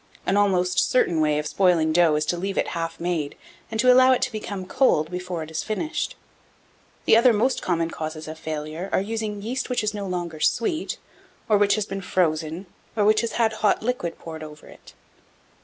1694. An almost certain way of spoiling dough is to leave it half made, and to allow it to become cold before it is finished. The other most common causes of failure are using yeast which is no longer sweet, or which has been frozen, or has had hot liquid poured over it.